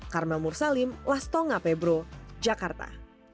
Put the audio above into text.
karma mursalim lastong apebro jakarta